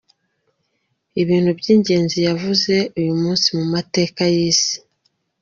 Ibintu by’ingenzi yaranze uyu munsi mu mateka y’isi:.